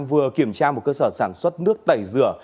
vừa kiểm tra một cơ sở sản xuất nước tẩy rửa